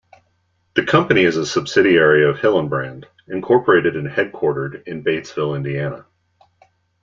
The company is a subsidiary of Hillenbrand, Incorporated and is headquartered in Batesville, Indiana.